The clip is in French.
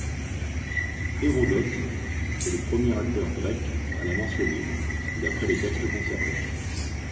Hérodote est le premier auteur grec à la mentionner, d’après les textes conservés.